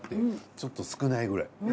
ちょっと少ないくらい。